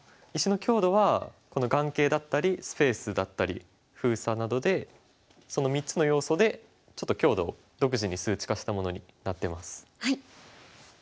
石の強度は眼形だったりスペースだったり封鎖などでその３つの要素でちょっと強度を独自に数値化したものになってます。